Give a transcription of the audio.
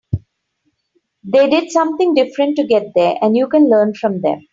They did something different to get there and you can learn from them.